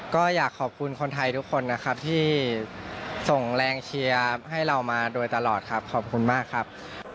ก็อยากขอบคุณคนไทยทุกคนนะครับที่ส่งแรงเชียร์ให้เรามาโดยตลอดครับขอบคุณมากครับ